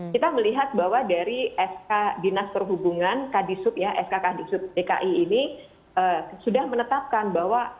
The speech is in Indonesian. kita melihat bahwa dari sk dinas perhubungan sk kdisup dki ini sudah menetapkan bahwa